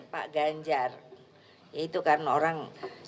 pak ganjar itu karena orang